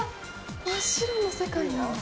真っ白の世界なんだ。